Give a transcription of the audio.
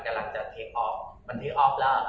จ่ายของโลก